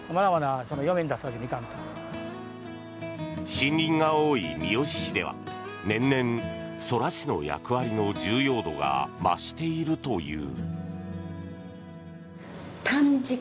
森林が多い三好市では年々、空師の役割の重要度が増しているという。